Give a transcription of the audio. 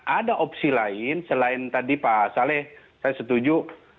ada opsi lain selain tadi pak saleh saya setuju